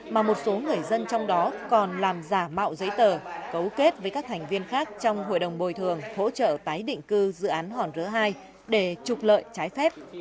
mà một số người dân trong đó còn làm giả mạo giấy tờ cấu kết với các thành viên khác trong hội đồng bồi thường hỗ trợ tái định cư dự án hòn rớ hai để trục lợi trái phép